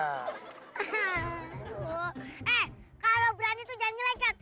eh kalau berani tuh jangan nyelegat